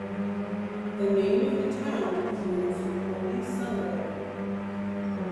The name of the town means "Holy Sunday".